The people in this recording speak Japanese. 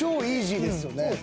いいですよね。